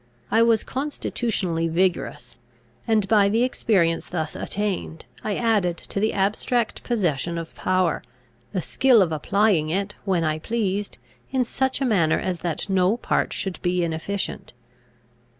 I was constitutionally vigorous; and, by the experience thus attained, I added to the abstract possession of power, the skill of applying it, when I pleased, in such a manner as that no part should be inefficient.